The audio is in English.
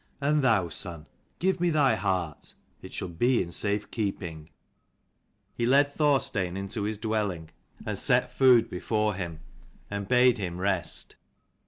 "And thou, son, give me thy heart. It shall be in safe keeping." He led Thorstein into his dwelling and set FF 241 food before him, and bade him rest.